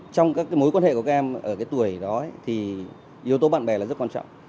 trong các mối quan hệ của các em ở cái tuổi đó thì yếu tố bạn bè là rất quan trọng